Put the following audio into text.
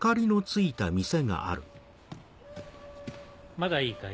まだいいかい？